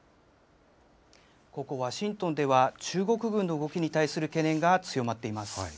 ここワシントンでは中国軍の動きに対する懸念が強まっています。